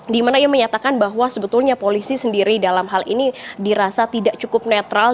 dimana ia menyatakan bahwa sebetulnya polisi sendiri dalam hal ini dirasa tidak cukup netral